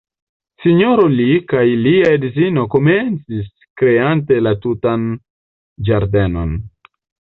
Sinjoro Lee kaj lia edzino komencis kreante la tutan ĝardenon.